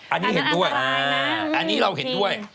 อันนี้เห็นด้วยอันนี้เราเห็นด้วย